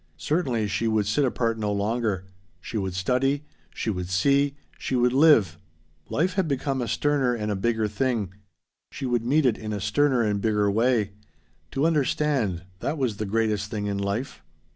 Certainly she would sit apart no longer. She would study. She would see. She would live. Life had become a sterner and a bigger thing. She would meet it in a sterner and bigger way. To understand! That was the greatest thing in life.